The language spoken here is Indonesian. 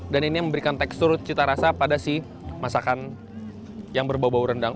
dan ini yang memberikan tekstur cita rasa pada si masakan yang berbau bau rendang